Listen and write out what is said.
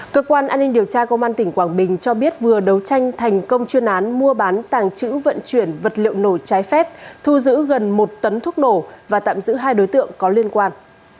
cơ quan an ninh điều tra công an tỉnh quảng bình cho biết vừa đấu tranh thành công chuyên án mua bán tàng trữ vận chuyển vật liệu nổ trái phép thu giữ gần một tấn thuốc nổ và tạm giữ hai đối tượng có liên quan